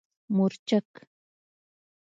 🌶 مورچک